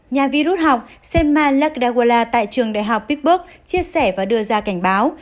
nhà virus học senma lakdawala tại trường đại học pittsburgh chia sẻ và đưa ra cảnh báo